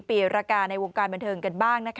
ปีรกาในวงการบันเทิงกันบ้าง